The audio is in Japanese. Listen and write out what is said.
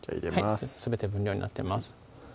すべて分量になってます